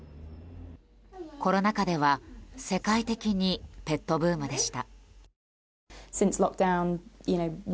コロナ禍では世界的にペットブームでした。